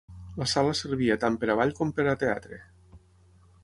La sala servia tant per a ball com per a teatre.